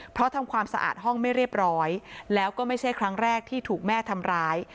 เพราะทำความสะอาดห้องไม่เรียบร้อยแล้วก็ไม่ใช่ครั้งแรกที่ถูกแม่ทำร้าย